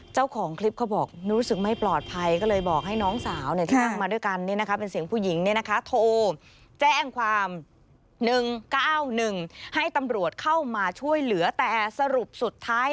เจ้าของคลิปเขาบอกหนูรู้สึกไม่ปลอดภัย